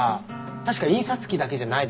確か印刷機だけじゃないでしょ？